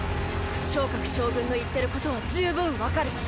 尚鹿将軍の言ってることは十分分かる。